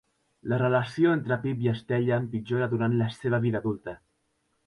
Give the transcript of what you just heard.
La relació entre Pip i Estella empitjora durant la seva vida adulta.